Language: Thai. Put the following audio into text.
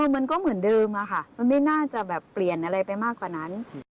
มันก็เหมือนเดิมอะค่ะมันไม่น่าจะแบบเปลี่ยนอะไรไปมากกว่านั้น